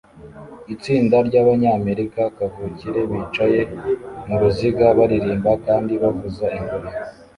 Itsinda ryabanyamerika kavukire bicaye muruziga baririmba kandi bavuza ingoma